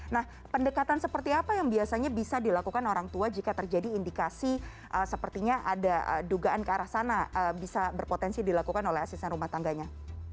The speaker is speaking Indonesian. nah pendekatan seperti apa yang biasanya bisa dilakukan orang tua jika terjadi indikasi sepertinya ada dugaan ke arah sana bisa berpotensi dilakukan oleh asisten rumah tangganya